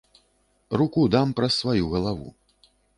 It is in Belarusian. Руку дам праз сваю галаву.